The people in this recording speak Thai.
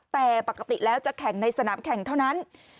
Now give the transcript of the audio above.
แต่ปกติแล้วจะแข่งในสนามแข่งเท่านั้น